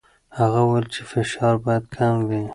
هغه وویل چې فشار باید کم وي.